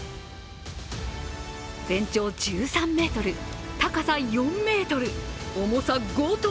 全長１３ｍ、高さ４ｍ、重さ５ｔ。